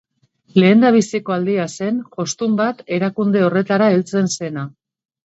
Lehenbiziko aldia zen jostun bat erakunde horretara heltzen zena.